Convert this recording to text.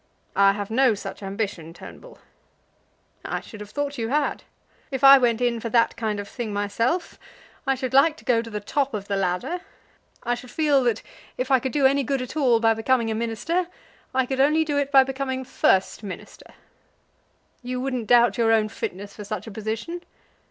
"I have no such ambition, Turnbull." "I should have thought you had. If I went in for that kind of thing myself, I should like to go to the top of the ladder. I should feel that if I could do any good at all by becoming a Minister, I could only do it by becoming first Minister." "You wouldn't doubt your own fitness for such a position?"